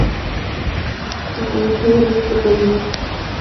El que mucho duerme, poco vive